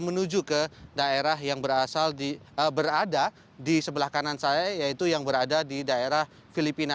menuju ke daerah yang berada di sebelah kanan saya yaitu yang berada di daerah filipina